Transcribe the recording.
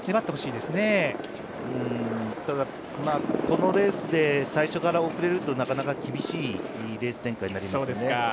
ただ、このレースで最初から遅れるとなかなか厳しいレース展開になります。